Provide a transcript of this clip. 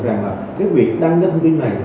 rằng là cái việc đăng cái thông tin này